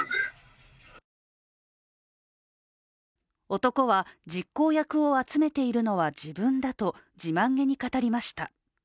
男は、実行役を集めているのは自分だと自慢げに語りました。